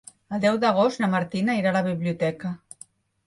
El deu d'agost na Martina irà a la biblioteca.